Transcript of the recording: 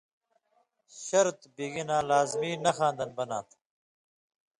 شرط بِگِناں لازمی نخاں دن بناں تھُو۔